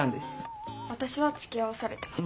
私はつきあわされてます。